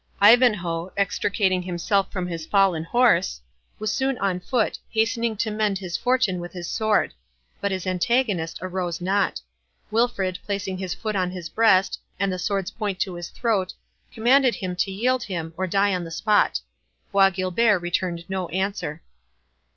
Ivanhoe, extricating himself from his fallen horse, was soon on foot, hastening to mend his fortune with his sword; but his antagonist arose not. Wilfred, placing his foot on his breast, and the sword's point to his throat, commanded him to yield him, or die on the spot. Bois Guilbert returned no answer.